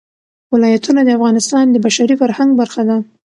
ولایتونه د افغانستان د بشري فرهنګ برخه ده.